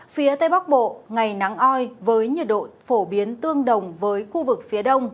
phía tây bắc bộ ngày nắng oi với nhiệt độ phổ biến tương đồng với khu vực phía đông